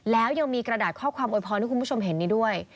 แล้วยังมีกระดาษข้อความโวยพรให้คุณผู้ชมเห็นนี้ด้วย